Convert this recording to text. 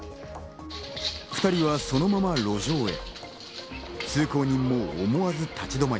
２人はそのまま路上へ。